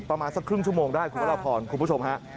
ประมาณสักครึ่งชั่วโมงได้คุณผู้ชมฮะ